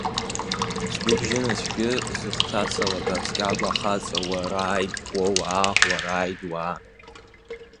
Згәыбжьынацәгьы зыхҭацалагаз, Кьагәа ахаҵа, уарааид, уо-уаа, уарааид, уаа!